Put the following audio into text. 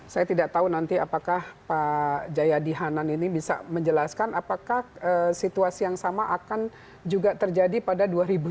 saya tidak tahu nanti apakah pak jayadi hanan ini bisa menjelaskan apakah situasi yang sama akan juga terjadi pada dua ribu sembilan belas